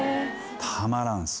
たまらんっす